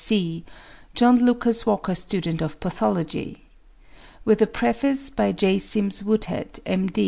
B., B.Sc. JOHN LUCAS WALKER STUDENT OF PATHOLOGY. WITH A PREFACE BY G. SIMS WOODHEAD, M.